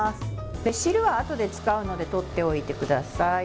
汁は、あとで使うのでとっておいてください。